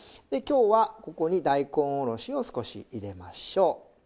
で今日はここに大根おろしを少し入れましょう。